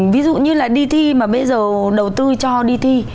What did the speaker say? ví dụ như là đi thi mà bây giờ đầu tư cho đi thi